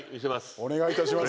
お願いいたします。